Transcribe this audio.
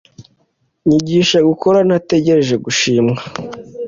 Nyigisha gukora ntategereje gushimwa